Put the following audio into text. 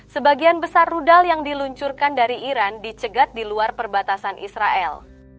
sebagian besar rudal yang diluncurkan dari iran dicegat di luar perbatasan israel